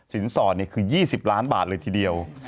สอดคือ๒๐ล้านบาทเลยทีเดียว